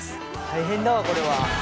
大変だわこれは。